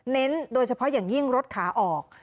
โดยเฉพาะอย่างยิ่งรถขาออก